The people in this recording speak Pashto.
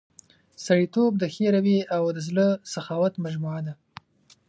سړیتوب د ښې رويې او د زړه سخاوت مجموعه ده.